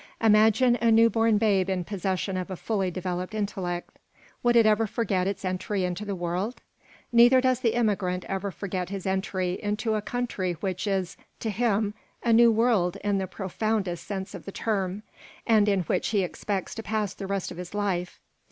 Imagine a new born babe in possession of a fully developed intellect. Would it ever forget its entry into the world? Neither does the immigrant ever forget his entry into a country which is, to him, a new world in the profoundest sense of the term and in which he expects to pass the rest of his life.